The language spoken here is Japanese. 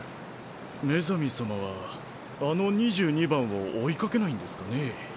メザミ様はあの二十二番を追いかけないんですかね？